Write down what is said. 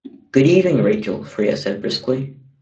“Good evening, Rachel,” Freya said briskly.